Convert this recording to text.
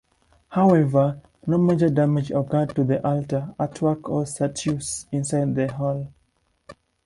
However, no major damage occurred to the altar, artwork or statues inside the hall.